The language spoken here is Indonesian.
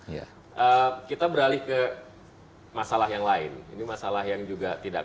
ini masalah yang juga tidak kalahkan masalah yang lain ini masalah yang juga tidak kalahkan